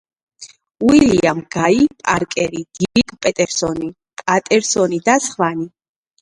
უილიამ გაი, პარკერი, დირკ პეტერსონი, პატერსონი და სხვანი.